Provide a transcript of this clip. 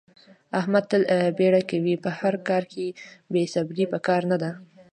احمد تل بیړه کوي. په هر کار کې بې صبرې په کار نه ده.